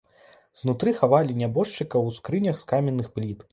Знутры хавалі нябожчыкаў у скрынях з каменных пліт.